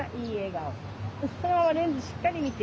そのままレンズしっかり見て。